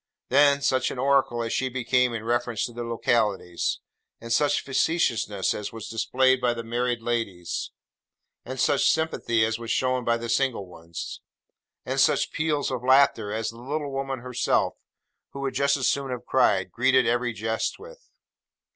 Then, such an oracle as she became in reference to the localities! and such facetiousness as was displayed by the married ladies! and such sympathy as was shown by the single ones! and such peals of laughter as the little woman herself (who would just as soon have cried) greeted every jest with!